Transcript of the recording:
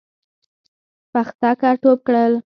پختکه ټوپ کړل.